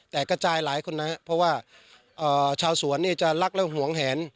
แต่กระจายหลายคนนะครับเพราะว่าชาวสวนเนี่ยจะรักและห่วงแหน